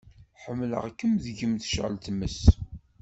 Ḥemmleɣ-kem deg-m tecɛel tmes.